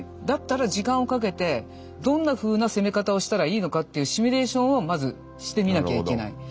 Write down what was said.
だったら時間をかけてどんなふうな攻め方をしたらいいのかっていうシミュレーションをまずしてみなきゃいけない。